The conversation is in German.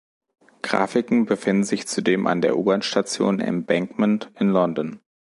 Grafiken befinden sich zudem an der U-Bahnstation Embankment in London.